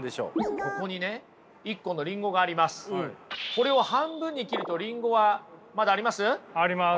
これを半分に切るとリンゴはまだあります？あります。